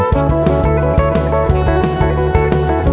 pak ayah akan duduk saja ya